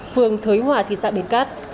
phường thới hỏa thị xã bến cát